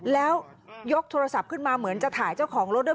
แล้วยกโทรศัพท์ขึ้นมาเหมือนจะถ่ายเจ้าของรถด้วย